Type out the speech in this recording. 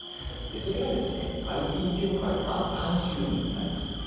それがですね、ＩＴ業界のある慣習にあります。